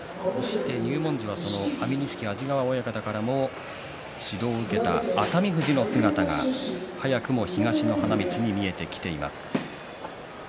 入門時は安美錦安治川親方からも指導を受けた熱海富士の姿が早くも東の花道に見えてきています。